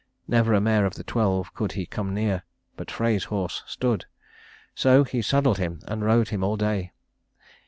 Never a mare of the twelve could he come near, but Frey's horse stood; so he saddled him and rode him all day.